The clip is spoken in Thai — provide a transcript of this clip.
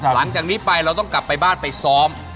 หลังจากนี้ไปเราต้องกลับไปบ้านไปซ้อม